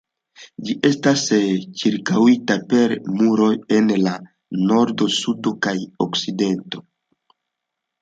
Ĝi estas ĉirkaŭita per muroj en la nordo, sudo kaj okcidento.